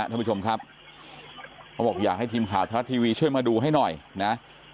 ท่านผู้ชมครับเขาบอกอยากให้ทีมข่าวทรัฐทีวีช่วยมาดูให้หน่อยนะ